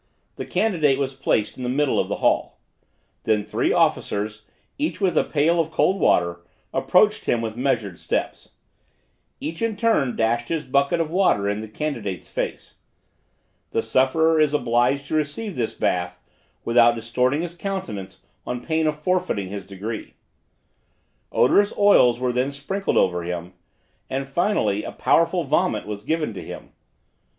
The candidate was placed in the middle of the hall. Then three officers, each with a pail of cold water, approached him with measured steps. Each in turn dashed his bucket of water in the candidate's face. The sufferer is obliged to receive this bath without distorting his countenance, on pain of forfeiting his degree. Odorous oils were then sprinkled over him, and finally a powerful vomit was given to him.